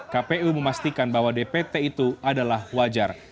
kpu memastikan bahwa dpt itu adalah wajar